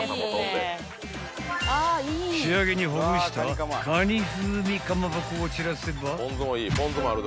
［仕上げにほぐしたかに風味かまぼこを散らせば］